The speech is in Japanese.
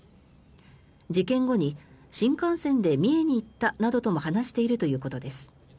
事件後に新幹線で三重に行ったなどとも話しているということです。